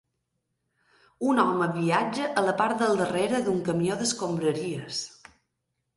Un home viatja a la part del darrere d'un camió d'escombraries.